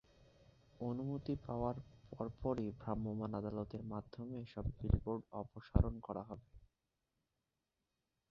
অনুমতি পাওয়ার পরপরই ভ্রাম্যমাণ আদালতের মাধ্যমে এসব বিলবোর্ড অপসারণ করা হবে।